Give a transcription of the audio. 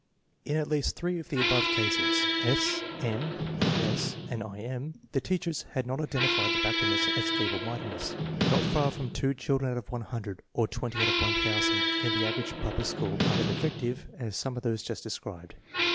In at least three of the above cases (S. M., I. S., and I. M.) the teachers had not identified the backwardness as feeble mindedness. Not far from 2 children out of 100, or 20 out of 1000, in the average public school are as defec tive as some of those just described.